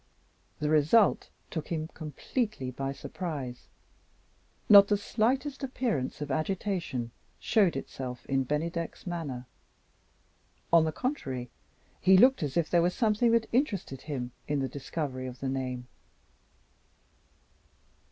The result took him completely by surprise. Not the slightest appearance of agitation showed itself in Bennydeck's manner. On the contrary, he looked as if there was something that interested him in the discovery of the name.